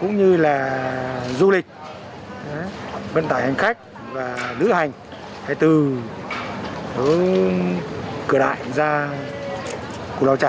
cũng như là du lịch vận tải hành khách và lưu hành từ cửa đại ra cửa lầu trả